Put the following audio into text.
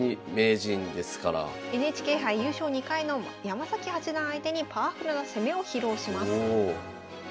ＮＨＫ杯優勝２回の山崎八段相手にパワフルな攻めを披露します。